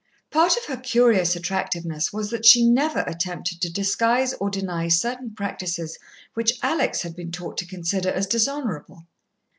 Part of her curious attractiveness was, that she never attempted to disguise or deny certain practices which Alex had been taught to consider as dishonourable.